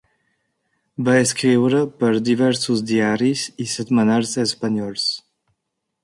Va escriure per diversos diaris i setmanals espanyols.